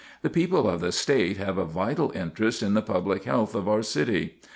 The people of the State have a vital interest in the public health of our city.